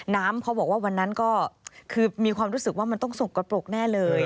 เขาบอกว่าวันนั้นก็คือมีความรู้สึกว่ามันต้องสกปรกแน่เลย